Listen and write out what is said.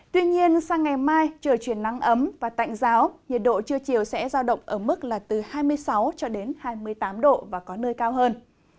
tuy nhiên sang ngày mai trời chuyển nắng ấm và tạnh giáo nhiệt độ trưa chiều sẽ giao động ở mức là từ hai mươi sáu cho đến hai mươi tám độ và có nơi cao hơn